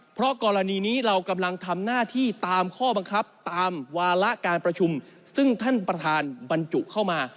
เพราะกรณีนี้เรากำลังทำหน้าที่ตามข้อบังคับตามวาระการประชุมซึ่งท่านประธานบรรจุเข้ามา